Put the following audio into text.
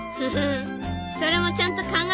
それもちゃんと考えたよ。